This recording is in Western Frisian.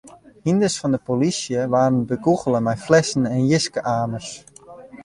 Hynders fan de polysje waarden bekûgele mei flessen en jiske-amers.